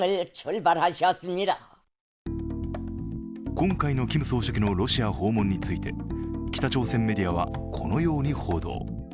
今回のキム総書記のロシア訪問について北朝鮮メディアはこのように報道。